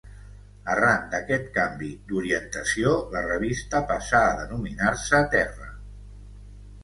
Arran d'aquest canvi d’orientació, la revista passà a denominar-se Terra.